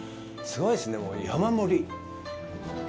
すごいですね、もう山盛り。